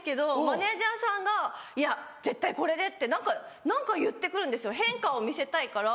マネジャーさんが「いや絶対これで」って何か言って来るんですよ変化を見せたいから。